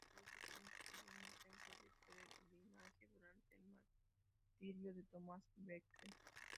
Canterbury se convirtió en centro de peregrinaje durante el martirio de Thomas Becket.